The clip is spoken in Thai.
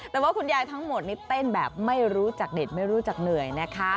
แต่ว่าคุณยายทั้งหมดไม่รู้จักเด็ดไม่รู้จักเหนื่อยน่ะ